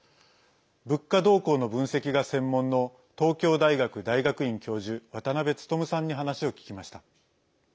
物価動向の分析が専門の東京大学大学院教授渡辺努さんに話を聞きました。